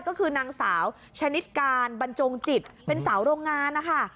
ก็คือนางสาวชนิดการบรรจงจิตเป็นสาวโรงงานนะคะ